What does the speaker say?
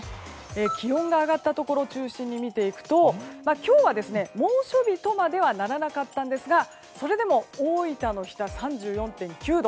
気温が上がったところを中心に見ていくと今日は猛暑日とはまではならなかったんですがそれでも大分の日田３４．９度。